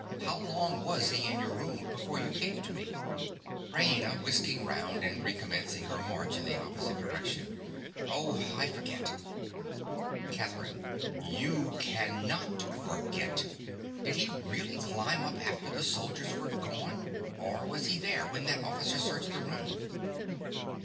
How long was he in your room before you came to me? RAINA. (whisking round and recommencing her march in the opposite direction). Oh, I forget. CATHERINE. You cannot forget! Did he really climb up after the soldiers were gone, or was he there when that officer searched the room?